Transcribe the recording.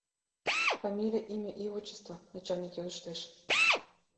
— Фамилия, имя и отчество? — начальник йодыштеш.